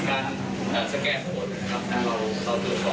การตรวจสอบการสแกนประโยชน์ถ้าเราตรวจสอบ